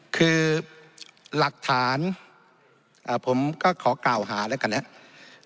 คือหลักฐานผมก็ขอกล่าวหาแล้วกันนะครับ